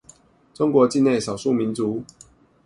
中國境內少數民族